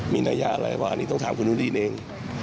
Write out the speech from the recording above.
มีนัยะอะไรว่าอันนี้ต้องถามคุณอนุรีนเอง